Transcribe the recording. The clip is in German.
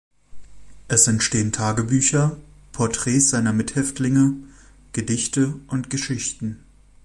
Es entstehen Tagebücher, Porträts seiner Mithäftlinge, Gedichte und Geschichten.